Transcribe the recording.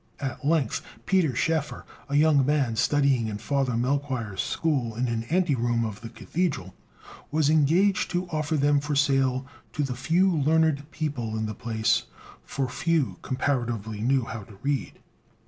At length Peter Schoeffer, a young man studying in Father Melchoir's school in an ante room of the Cathedral, was engaged to offer them for sale to the few learned people in the place; for few, comparatively, knew how to read.